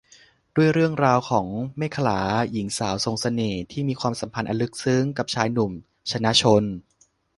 ด้วยเรื่องราวของ เมขลา หญิงสาวทรงเสน่ห์ที่มีความสัมพันธ์อันลึกซึ้งกับชายหนุ่ม ชนะชล